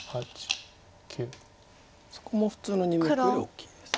そこも普通の２目より大きいです。